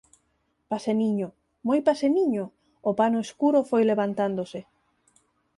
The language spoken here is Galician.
Paseniño, moi paseniño, o pano escuro foi levantándose.